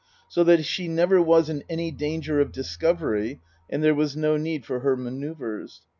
So that she never was in any danger of discovery, and there was no need for her manoeuvres.